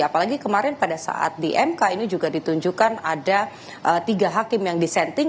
apalagi kemarin pada saat di mk ini juga ditunjukkan ada tiga hakim yang disenting